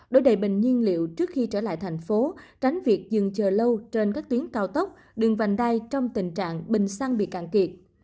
đối đầy bình nhiên liệu trước khi trở lại thành phố tránh việc dừng chờ lâu trên các tuyến cao tốc đường vành đai trong tình trạng bình xăng bị cạn kiệt